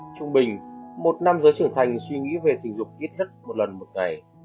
trung bình một năm giới trưởng thành suy nghĩ về tình dục ít hết một lần một ngày